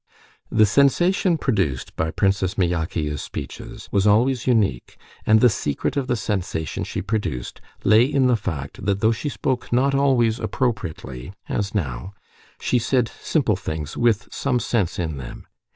The sensation produced by Princess Myakaya's speeches was always unique, and the secret of the sensation she produced lay in the fact that though she spoke not always appropriately, as now, she said simple things with some sense in them.